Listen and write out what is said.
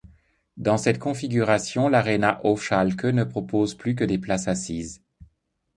Dans cette configuration l'Arena AufSchalke ne propose plus que des places assises.